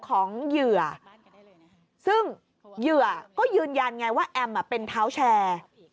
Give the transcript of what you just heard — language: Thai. เหยื่อซึ่งเหยื่อก็ยืนยันไงว่าแอมเป็นเท้าแชร์